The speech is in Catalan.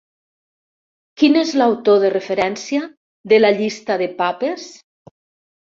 Qui és l'autor de referència de la llista de papes?